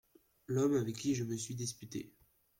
L’homme avec qui je me suis disputé.